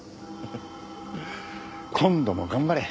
今度も頑張れ。